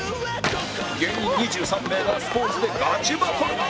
芸人２３名がスポーツでガチバトル！